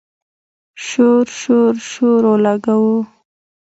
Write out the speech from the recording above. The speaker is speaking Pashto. شور، شور، شور اولګوو